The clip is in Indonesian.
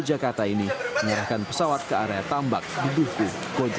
uja kata ini menyerahkan pesawat ke area tambak di duku gojo